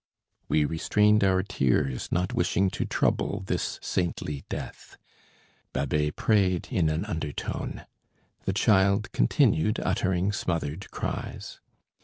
We restrained our tears, not wishing to trouble this saintly death. Babet prayed in an undertone. The child continued uttering smothered cries.